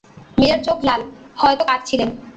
মীরার চোখ লাল, হয়তো কাঁদছিলেন।